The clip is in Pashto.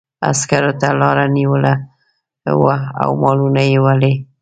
عسکرو ته لاره نیولې وه او مالونه یې وړي.